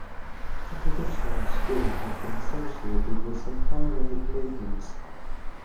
The Traditionalist School has been associated with some far right movements.